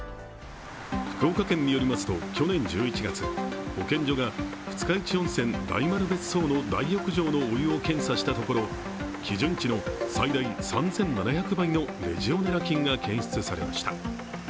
福岡県によりますと去年１１月、保健所が二日市温泉・大丸別荘の大浴場のお湯を検査したところ基準値の最大３７００倍のレジオネラ菌が検出されました。